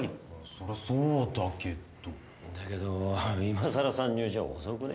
そりゃそうだけどだけど今さら参入じゃ遅くね？